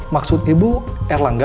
maksud ibu erlangga